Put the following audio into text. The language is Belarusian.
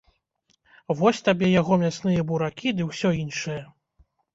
Вось табе яго мясныя буракі ды ўсё іншае.